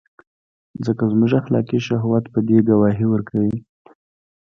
ځکه زموږ اخلاقي شهود په دې ګواهي ورکوي.